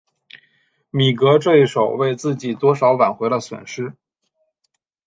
米格这一手为自己多少挽回了损失。